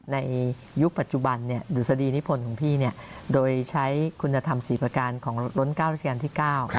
ในยุคปัจจุบันเนี่ยอุตสดีนิพลของพี่เนี่ยโดยใช้คุณธรรม๔ประการของร้น๙ราชิการที่๙